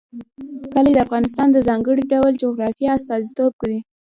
کلي د افغانستان د ځانګړي ډول جغرافیه استازیتوب کوي.